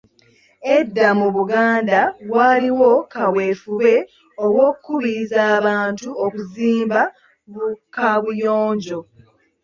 Edda mu Buganda, waaliwo kaweefube w‘okukubiriza abantu okuzimba bu Kabuyonjo.